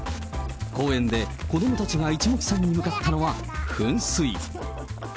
公園で子どもたちが一目散に向かったのは噴水。